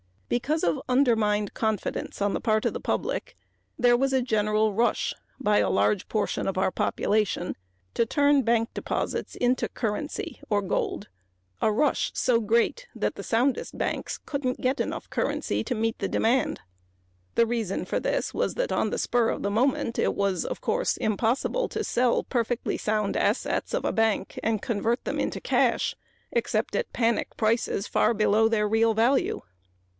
Because of undermined confidence on the part of the public, there was a general rush by a large portion of our population to turn bank deposits into currency or gold a rush so great that the soundest banks could not get enough currency to meet the demand. The reason for this was that on the spur of the moment it was, of course, impossible to sell perfectly sound assets of a bank and convert them into cash except at panic prices far below their real value.